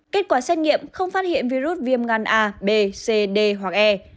kết quả xét nghiệm không phát hiện virus viêm gan a b c d hoặc e